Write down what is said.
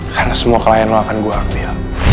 karena semua klien lo akan gue ambil